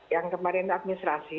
yang kemarin administrasi